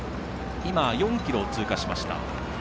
今、４ｋｍを通過しました。